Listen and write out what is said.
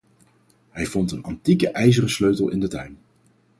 Hij vond een antieke Ijzeren sleutel in de tuin.